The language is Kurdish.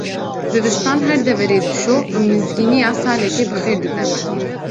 Zivistan her deverê dişo û mizgîniya saleke bixêr dide me.